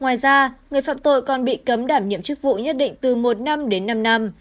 ngoài ra người phạm tội còn bị cấm đảm nhiệm chức vụ nhất định từ một năm đến năm năm